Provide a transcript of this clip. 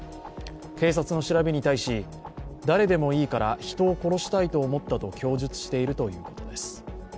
警察の調べに対し、誰でもいいから人を殺したいと思ったと供述しているということです。